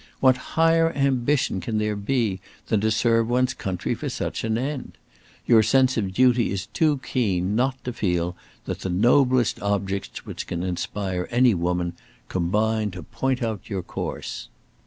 What higher ambition can there be than to serve one's country for such an end? Your sense of duty is too keen not to feel that the noblest objects which can inspire any woman, combine to point out your course."